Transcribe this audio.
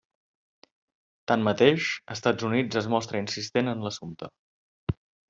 Tanmateix, Estats Units es mostra insistent en l'assumpte.